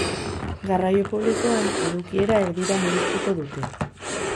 Garraio publikoan, edukiera erdira murriztuko dute.